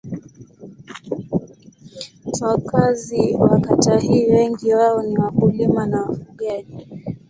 Wakazi wa kata hii wengi wao ni wakulima na wafugaji.